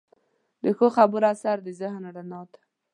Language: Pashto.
د ښو خبرو اثر د ذهن رڼا ده.